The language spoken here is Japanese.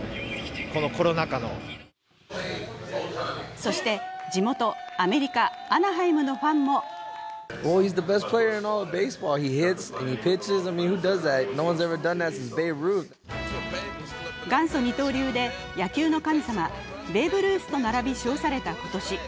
そして、地元・アメリカ・アナハイムのファンも元祖二刀流で野球の神様、ベーブ・ルースと並び称された今年。